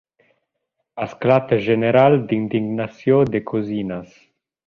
Esclat general d'indignació de cosines.